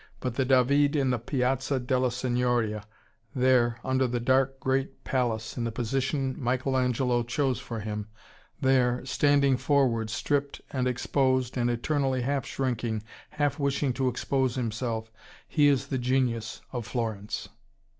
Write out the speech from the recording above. But the David in the Piazza della Signoria, there under the dark great palace, in the position Michelangelo chose for him, there, standing forward stripped and exposed and eternally half shrinking, half wishing to expose himself, he is the genius of Florence.